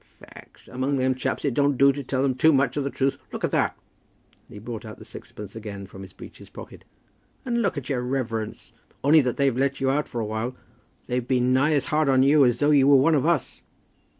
"Faix, among them chaps it don't do to tell them too much of the truth. Look at that!" And he brought out the sixpence again from his breeches' pocket. "And look at your reverence. Only that they've let you out for a while, they've been nigh as hard on you as though you were one of us."